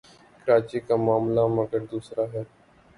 کراچی کا معاملہ مگر دوسرا ہے۔